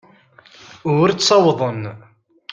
Ur ttawḍen.